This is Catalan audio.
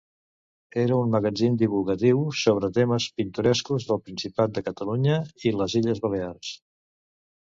Era un magazín divulgatiu sobre temes pintorescos del Principat de Catalunya i les Illes Balears.